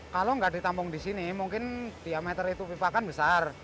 kalau nggak ditampung di sini mungkin diameter itu pipa kan besar